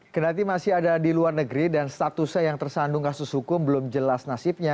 kenati masih ada di luar negeri dan statusnya yang tersandung kasus hukum belum jelas nasibnya